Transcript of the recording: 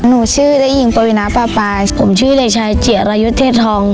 หนูชื่อเด็กหญิงปวินาปปาผมชื่อเด็กชายเจียรายุทธธรรม